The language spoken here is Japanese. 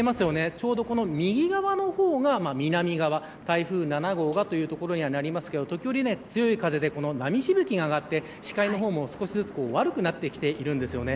ちょうどこの右側の方が南側台風７号がというところにはなりますが時折強い風で波しぶきが上がって視界の方も、少しずつ悪くなってきているんですよね。